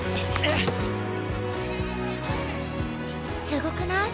すごくない？